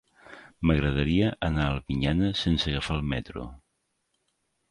M'agradaria anar a Albinyana sense agafar el metro.